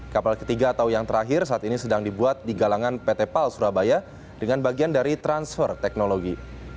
kapal ketiga atau yang terakhir saat ini sedang dibuat di galangan pt pal surabaya dengan bagian dari transfer teknologi